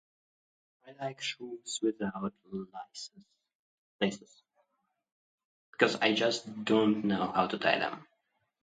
I like shoes without lices... laces. Because I just don't know how to tie them.